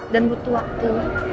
dan butuh waktu